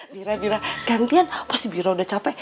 bira bira gantian pas bira udah capek